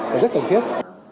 và rất cần thiết